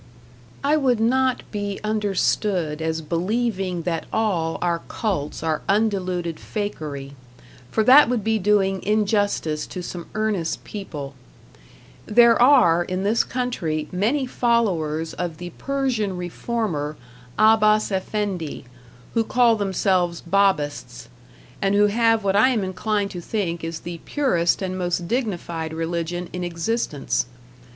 I would not be understood as believing that all our cults are undiluted fakery, for that would be doing injustice to some earnest people. There are, in this country, many followers of the Persian reformer, Abbas Effendi, who call themselves Babists, and who have what I am inclined to think is the purest and most dignified religion in existence.